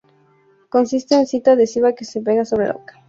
Consiste en cinta adhesiva que se pega sobre la boca.